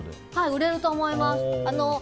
売れると思います。